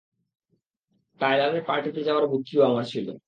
টায়লারের পার্টিতে যাওয়ার বুদ্ধিও আমার ছিল!